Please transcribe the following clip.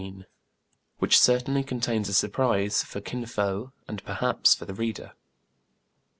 WHICH CERTAINLY CONTAINS A SURPRISE FOR KIN FO, AND PERHAPS FOR THE READER.